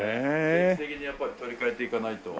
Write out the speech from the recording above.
定期的にやっぱり取り替えていかないと。